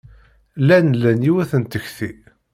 Llan lan yiwet n tekti.